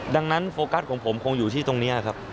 ดังนั้นโฟกัสของผมคงอยู่ที่ตรงนี้ครับ